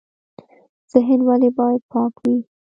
ذهن ولې باید پاک وي؟